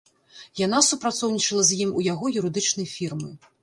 Яна супрацоўнічала з ім у яго юрыдычнай фірмы.